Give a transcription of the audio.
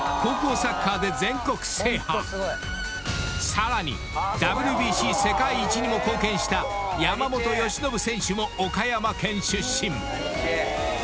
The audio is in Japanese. ［さらにＷＢＣ世界一にも貢献した山本由伸選手も岡山県出身］